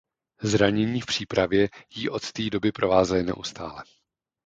Zranění v přípravě jí od tý doby provázely neustále.